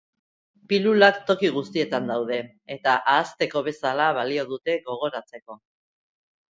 Pilulak toki guztietan daude, eta ahazteko bezala balio dute gogoratzeko.